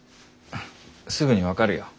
すぐに分かるよ。